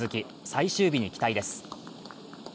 最終日に期待です。